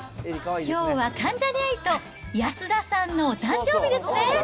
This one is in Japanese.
きょうは関ジャニ∞・安田さんのお誕生日ですね。